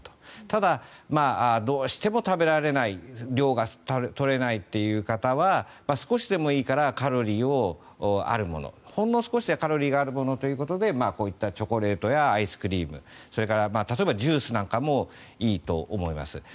ただ、どうしても食べられない量が取れないという方は少しでもいいからカロリーがあるものほんの少しカロリーがあるものということでこういったチョコレートやアイスクリームそれから例えばジュースなんかもいいと思います。